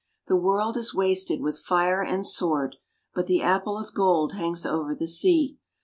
The World is wasted with fire and sword. But the Apple of Gold hangs over the sea.